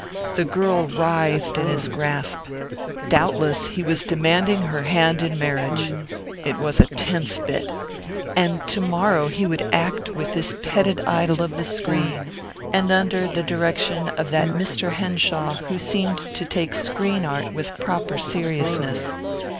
The girl writhed in his grasp. Doubtless he was demanding her hand in marriage. It was a tense bit. And to morrow he would act with this petted idol of the screen. And under the direction of that Mr. Henshaw who seemed to take screen art with proper seriousness.